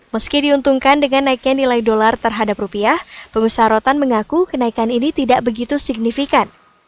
meski diuntungkan dengan naiknya nilai dolar terhadap rupiah pengusaha rotan mengaku kenaikan ini tidak begitu signifikan